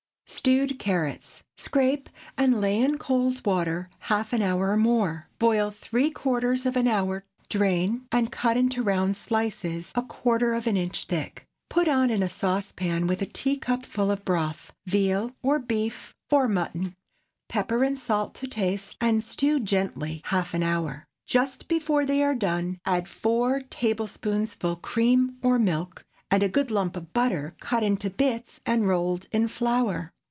STEWED CARROTS. Scrape, and lay in cold water half an hour or more. Boil whole three quarters of an hour, drain, and cut into round slices a quarter of an inch thick. Put on in a saucepan with a teacupful of broth—veal, or beef, or mutton; pepper and salt to taste, and stew gently half an hour. Just before they are done, add four tablespoonfuls cream or milk, and a good lump of butter cut into bits, and rolled in flour.